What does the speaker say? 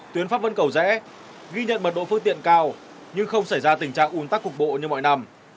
tuyến pháp vân cầu rẽ ghi nhận mật độ phương tiện cao nhưng không xảy ra tình trạng ủn tắc cục bộ như mọi năm